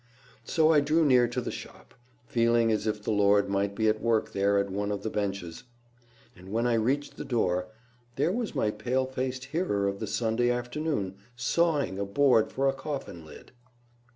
So I drew near to the shop, feeling as if the Lord might be at work there at one of the benches. And when I reached the door, there was my pale faced hearer of the Sunday afternoon, sawing a board for a coffin lid.